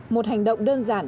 một hành động đơn giản